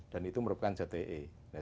dan itu merupakan jte